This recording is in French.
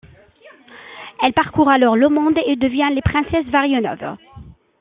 Elle parcourt alors le monde et devient la princesse Vérianof.